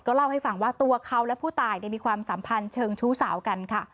เล่าให้ฟังว่าตัวเขาและผู้ตายมีความสัมพันธ์เชิงชู้สาวกันค่ะ